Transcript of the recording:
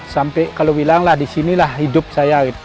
sampai kalau bilanglah di sinilah hidup saya gitu